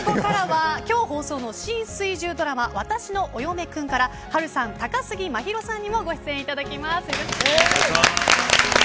ここからは今日放送の新水１０ドラマ、私のお嫁くん波瑠さん、高杉真宙さんにもお越しいただきました。